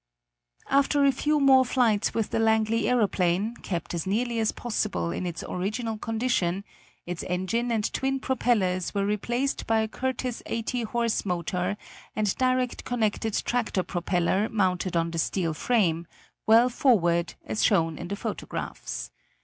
After a few more flights with the Langley aeroplane, kept as nearly as possible in its original condition, its engine and twin propellers were replaced by a Curtiss 80 horse motor and direct connected tractor propeller mounted on the steel frame, well forward, as shown in the photographs.